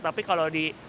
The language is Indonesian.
tapi kalau di